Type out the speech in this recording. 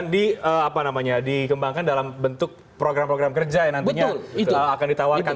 dan dikembangkan dalam bentuk program program kerja yang nantinya akan ditawarkan